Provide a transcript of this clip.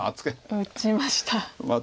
打ちました。